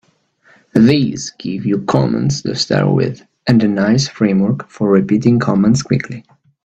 This gives you commands to start with and a nice framework for repeating commands quickly.